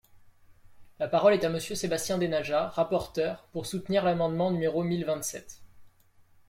La parole est à Monsieur Sébastien Denaja, rapporteur, pour soutenir l’amendement numéro mille vingt-sept.